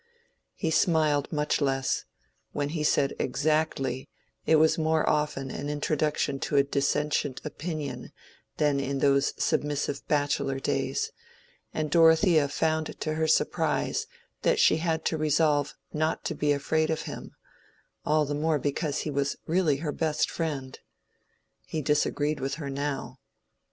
He smiled much less; when he said "Exactly" it was more often an introduction to a dissentient opinion than in those submissive bachelor days; and Dorothea found to her surprise that she had to resolve not to be afraid of him—all the more because he was really her best friend. He disagreed with her now.